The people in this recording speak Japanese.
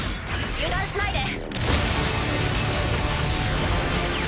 油断しないで。